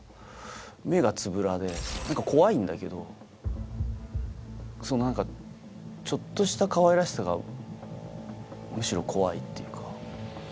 目がつぶらで怖いんだけど何かちょっとしたかわいらしさがむしろ怖いっていうか。